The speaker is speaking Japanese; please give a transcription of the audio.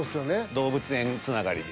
動物園つながりで。